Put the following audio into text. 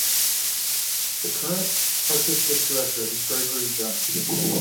The current Artistic Director is Gregory Jones.